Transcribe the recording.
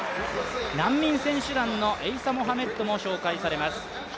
難民選手団のモハメッドも紹介されます。